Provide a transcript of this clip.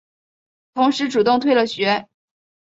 同时主动退了学。